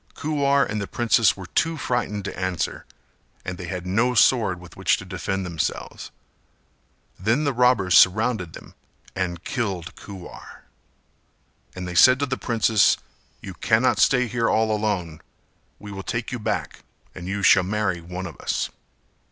Kuwar and the princess were too frightened to answer and they had no sword with which to defend themselves. Then the robbers surrounded them and killed Kuwar, and they said to the princess "You cannot stay here all alone; we will take you back and you shall marry one of us."